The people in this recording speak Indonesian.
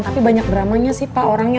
tapi banyak dramanya sih pak orangnya